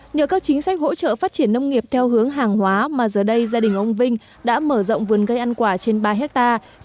nhờ các chính sách hỗ trợ phát triển nông nghiệp theo hướng hàng hóa mà giờ đây gia đình ông vinh đã mở rộng vườn cây ăn quả trên ba hectare